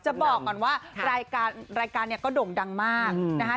จะบอกก่อนว่ารายการเนี่ยก็โด่งดังมากนะครับ